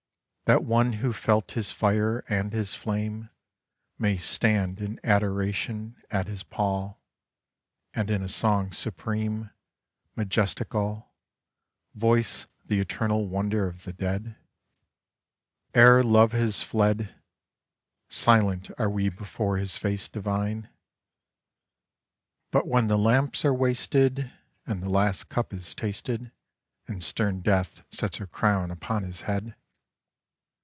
That one who felt his fire and his flame May stand in adoration at his pall. And in a song supreme, majestical. Voice the eternal wonder of the dead? Ere Love has fled, Silent are we before his face divine; But when the lamps are wasted. And the last cup is tasted, And stem Death sets her crown upon his head.